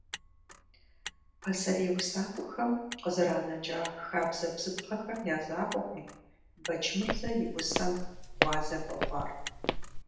Пасэрей усакӀуэхэм къызэранэкӀа хабзэ-бзыпхъэхэм я закъуэкъым Бэчмырзэ и усэм гъуазэ хуэхъуар.